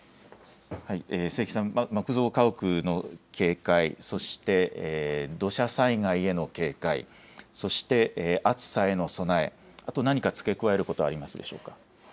清木さん、木造家屋への警戒、そして土砂災害への警戒、そして暑さへの備え、あと何か付け加えることはありますでしょうか。